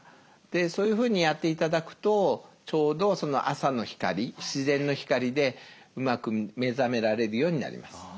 そういうふうにやって頂くとちょうど朝の光自然の光でうまく目覚められるようになります。